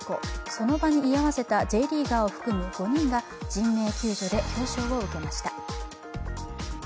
その場に居合わせたＪリーガーを含む５人が人命救助で表彰を受けました。